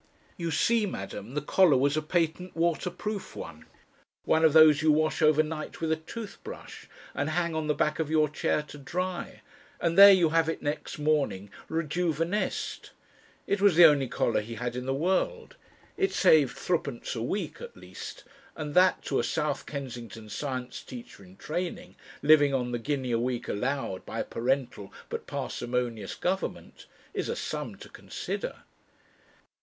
You see, Madam, the collar was a patent waterproof one. One of those you wash over night with a tooth brush, and hang on the back of your chair to dry, and there you have it next morning rejuvenesced. It was the only collar he had in the world, it saved threepence a week at least, and that, to a South Kensington "science teacher in training," living on the guinea a week allowed by a parental but parsimonious government, is a sum to consider.